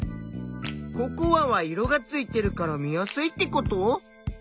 ココアは色がついてるから見やすいってこと？